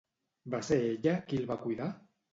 Va ser ella qui el va cuidar?